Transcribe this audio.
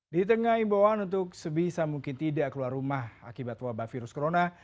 di tengah imbauan untuk sebisa mungkin tidak keluar rumah akibat wabah virus corona